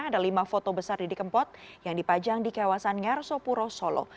ada lima foto besar didi kempot yang dipajang di kawasan ngarsopuro solo